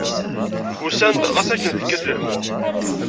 Usan-d ɣas akken tekkat lehwa.